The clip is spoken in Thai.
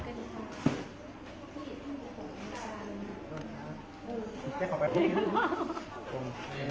ทุติยังปิตพุทธธาเป็นที่พึ่ง